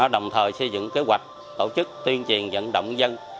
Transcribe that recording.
đồng thời xây dựng kế hoạch tổ chức tuyên truyền dẫn động dân